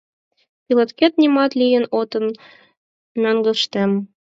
Пилоткет нимат лийын отыл, мӧҥгыштем.